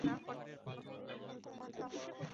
বৃদ্ধ বললেন, আমার হাত ধরে বস।